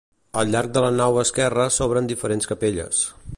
Al llarg de la nau esquerra s'obren diferents capelles.